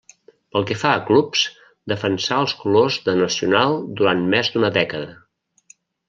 Pel que fa a clubs, defensà els colors de Nacional durant més d'una dècada.